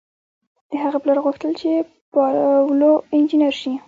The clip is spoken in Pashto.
د هغه پلار غوښتل چې پاولو انجنیر شي.